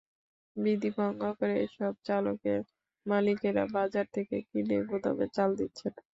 বিধি ভঙ্গ করে এসব চালকলের মালিকেরা বাজার থেকে কিনে গুদামে চাল দিচ্ছেন।